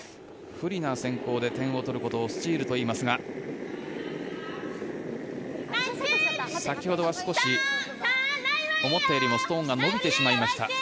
不利な先攻で点を取ることをスチールといいますが先ほどは少し思ったよりもストーンが伸びてしまいました。